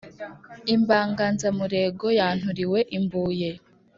Impangazamurego yanturiwe i Mbuye